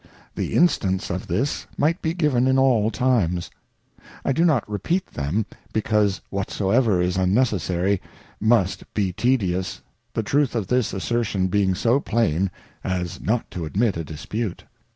The Instances of this might be given in all times. I do not repeat them, because whatsoever is unnecessary, must be tedious, the truth of this Assertion being so plain, as not to admit a Dispute.